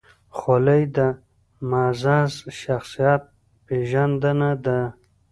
خولۍ د معزز شخصیت پېژندنه ده.